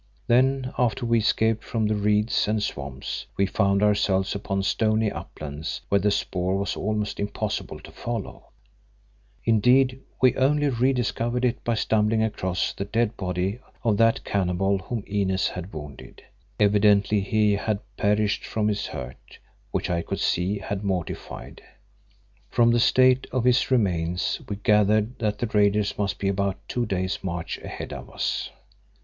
Then, after we escaped from the reeds and swamps, we found ourselves upon stony uplands where the spoor was almost impossible to follow, indeed, we only rediscovered it by stumbling across the dead body of that cannibal whom Inez had wounded. Evidently he had perished from his hurt, which I could see had mortified. From the state of his remains we gathered that the raiders must be about two days' march ahead of us.